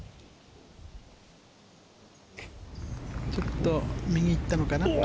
ちょっと右に行ったかな。